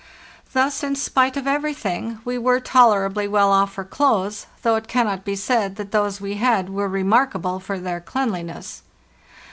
Thus, in spite of everything, we were tolerably well off for clothes, though it cannot be said that those we had were remarkable for their cleanliness.